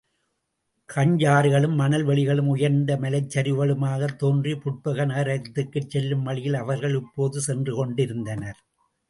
கான்யாறுகளும் மணல் வெளிகளும் உயர்ந்த மலைச்சரிவுகளுமாகத் தோன்றிய புட்பக நகரத்திற்குச் செல்லும் வழியில் அவர்கள் இப்போது சென்று கொண்டிருந்தனர்.